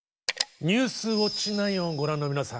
「ニュースウオッチ９」をご覧の皆さん